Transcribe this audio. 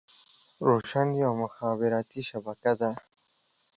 روشن يوه مخابراتي شبکه ده.